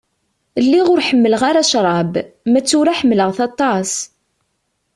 Lliɣ ur ḥemmleɣ ara ccṛab, ma d tura ḥemmlaɣ-t aṭas.